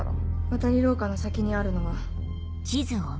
渡り廊下の先にあるのは。